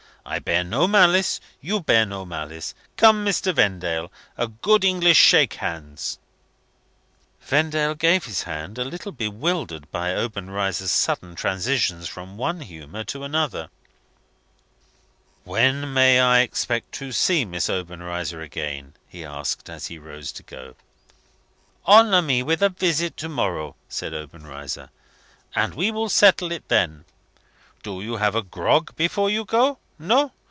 I bear no malice. You bear no malice. Come, Mr. Vendale, a good English shake hands." Vendale gave his hand, a little bewildered by Obenreizer's sudden transitions from one humour to another. "When may I expect to see Miss Obenreizer again?" he asked, as he rose to go. "Honour me with a visit to morrow," said Obenreizer, "and we will settle it then. Do have a grog before you go! No?